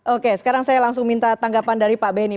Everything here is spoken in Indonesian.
oke sekarang saya langsung minta tanggapan dari pak benny